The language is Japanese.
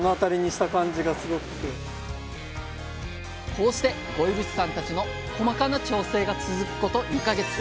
こうして五位渕さんたちの細かな調整が続くこと２か月。